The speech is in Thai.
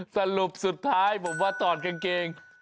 สรุปสุดท้ายผมว่าถอดกางเกง